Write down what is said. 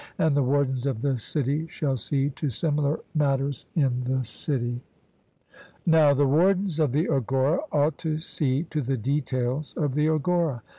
And the wardens of the city shall see to similar matters in the city. Now the wardens of the agora ought to see to the details of the agora.